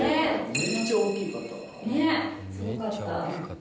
めっちゃ大きかよかった。